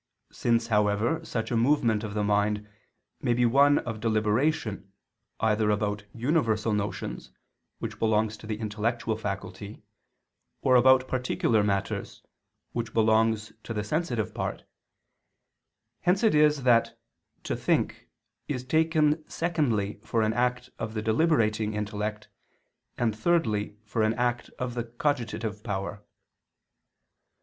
Since, however, such a movement of the mind may be one of deliberation either about universal notions, which belongs to the intellectual faculty, or about particular matters, which belongs to the sensitive part, hence it is that "to think" is taken secondly for an act of the deliberating intellect, and thirdly for an act of the cogitative power.